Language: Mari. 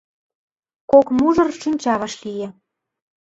Кок мужыр шинча вашлие.